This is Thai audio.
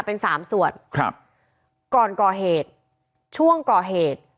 เป็นสามส่วนครับก่อนก่อเหตุช่วงก่อเหตุ